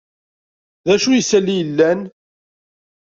D acu n yisali yellan?